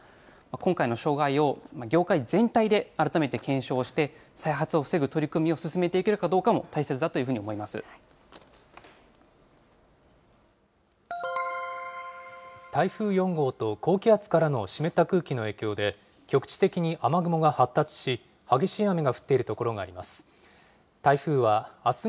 今回の障害を業界全体で改めて検証して、再発を防ぐ取り組みを進めていけるかどうかも大切だとい台風４号と高気圧からの湿った空気の影響で、局地的に雨雲が発達し、激しい雨が降っている所があります。